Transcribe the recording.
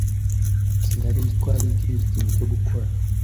Sinari nzi ko hari ikindi kintu cyo gukora.